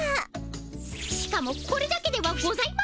しかもこれだけではございません。